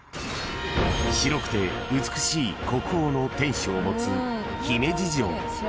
［白くて美しい国宝の天守を持つ姫路城］